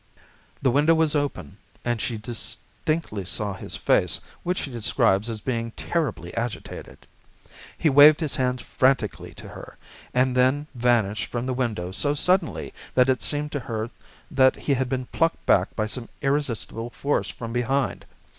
The window was open, and she distinctly saw his face, which she describes as being terribly agitated. He waved his hands frantically to her, and then vanished from the window so suddenly that it seemed to her that he had been plucked back by some irresistible force from behind.